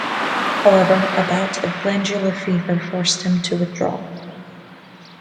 However, a bout of glandular fever forced him to withdraw.